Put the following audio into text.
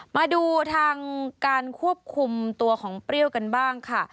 มาดูทางการควบคุมตัวของเปรี้ยวกันบ้างค่ะ